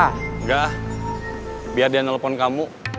enggak biar dia nelfon kamu